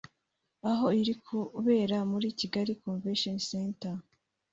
aho irimo kubera muri Kigali Convention Center